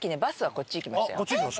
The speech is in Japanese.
こっち行きました？